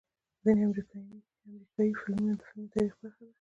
ځنې امريکني فلمونه د فلمي تاريخ برخه ده